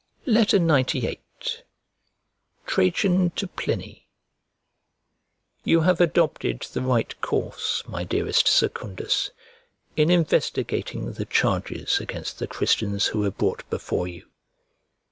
XCVIII TRAJAN TO PLINY You have adopted the right course, my dearest Secundtis, in investigating the charges against the Christians who were brought before you.